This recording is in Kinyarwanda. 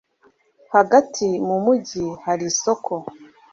Hagati mu mujyi, hari isoko.